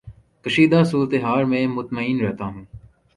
کشیدہ صورت حال میں مطمئن رہتا ہوں